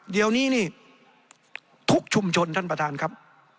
เดี๋ยวนี้นี่ทุกชุมชนท่านประธานครับ